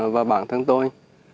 và bản thân tôi